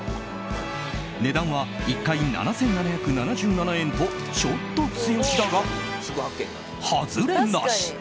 値段は１回７７７７円とちょっと強気だが外れなし。